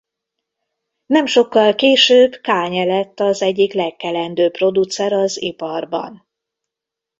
Nem sokkal később Kanye lett az egyik legkelendőbb producer az iparban.